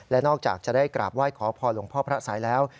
และนอกจากจะได้กราบไหว้ขอพรหลวงพ่อพระสัยแล้ว